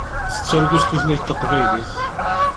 Tettargu s tutlayt taqbaylit.